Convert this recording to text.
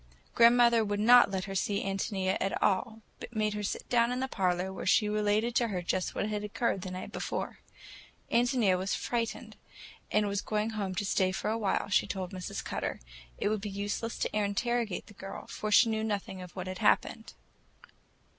Grandmother would not let her see Ántonia at all, but made her sit down in the parlor while she related to her just what had occurred the night before. Ántonia was frightened, and was going home to stay for a while, she told Mrs. Cutter; it would be useless to interrogate the girl, for she knew nothing of what had happened.